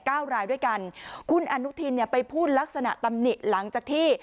เก้ารายด้วยกันคุณอนุทินเนี่ยไปพูดลักษณะตำหนิหลังจากที่